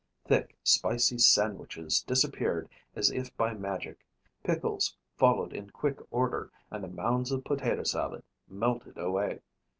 Thick, spicy sandwiches disappeared as if by magic, pickles followed in quick order and the mounds of potato salad melted away.